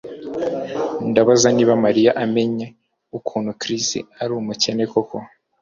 Ndabaza niba Mariya amenye ukuntu Chris ari umukene koko